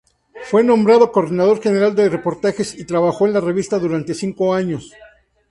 Fue nombrado coordinador general de reportajes y trabajó en la revista durante cinco años.